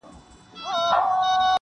تاوېده لكه زمرى وي چا ويشتلى-